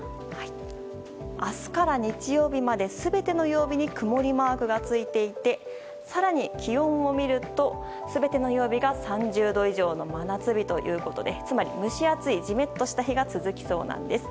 明日から日曜日まで全ての曜日に曇りマークがついていて更に、気温を見ると全ての曜日が３０度以上の真夏日ということでつまり、蒸し暑いジメッとした日が続きそうなんです。